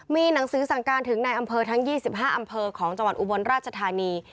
มีหนังสือสั่งการถึงในอำเภอทั้ง๒๕อำเภอของจังหวัดอุบลราชธานี